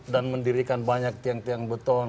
dan mendirikan banyak tiang tiang beton